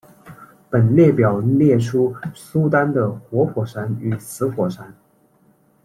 本列表列出苏丹的活火山与死火山。